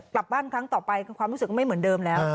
กลับบ้านครั้งต่อไปคือความรู้สึกไม่เหมือนเดิมแล้ว